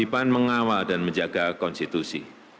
pengawal dan menjaga konstitusi